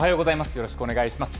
よろしくお願いします。